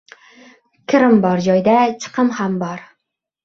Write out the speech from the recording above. Kirim bor joyda chiqim ham bor.